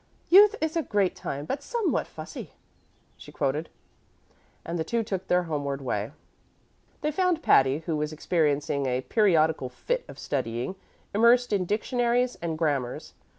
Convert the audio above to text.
"'Youth is a great time, but somewhat fussy,'" she quoted; and the two took their homeward way. They found Patty, who was experiencing a periodical fit of studying, immersed in dictionaries and grammars.